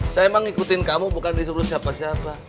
saya emang ngikutin kamu bukan disuruh siapa siapa